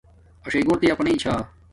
اݽی گھور تے اپناݵ چھا